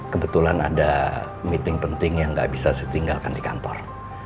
kebetulan ada meeting penting yang gak bisa ditinggalkan di kantor